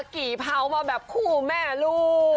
กี่เผามาแบบคู่แม่ลูก